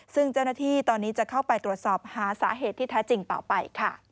ซึ่งเจ้าหน้าที่ตอนนี้จะเข้าไปตรวจสอบหาสาเหตุที่แท้จริงต่อไปค่ะ